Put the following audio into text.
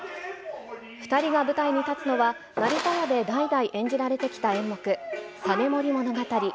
２人が舞台に立つのは、成田屋で代々演じられてきた演目、実盛物語。